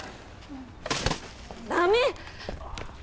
駄目！